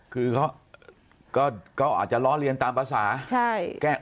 คือเขาก็อาจจะล้อเลียนตามภาษา